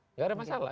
enggak ada masalah